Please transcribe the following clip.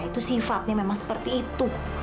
itu sifatnya memang seperti itu